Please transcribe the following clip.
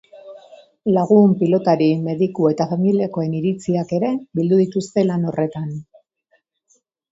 Lagun, pilotari, mediku eta familiakoen iritziak ere bildu dituzte lan horretan.